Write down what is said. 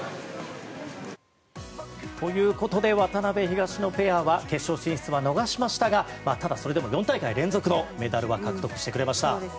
ということで渡辺、東野ペアは決勝進出は逃しましたがただそれでも４大会連続のメダルは獲得してくれました。